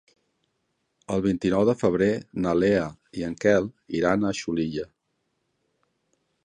El vint-i-nou de febrer na Lea i en Quel iran a Xulilla.